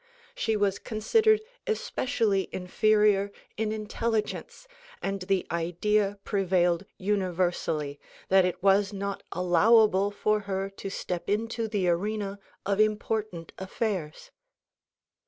She was considered especially inferior in intelligence and the idea prevailed universally tliat it was not allowable for her to step into the arena of important affairs.